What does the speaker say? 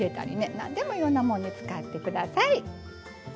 なんでもいろんなもんに使ってください。